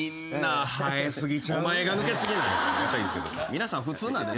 皆さん普通なんでね。